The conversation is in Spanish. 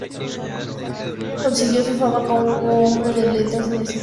Consiguió su fama como hombre de letras en una etapa temprana de su vida.